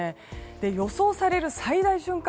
予想される最大瞬間